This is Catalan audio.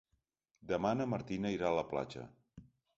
Demà na Martina irà a la platja.